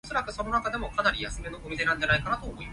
簡直係大師之作